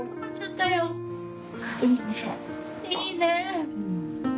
いいね！